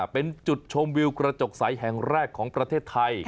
เป็นจุดชมวิวกระจกใสแห่งแรกของประเทศไทย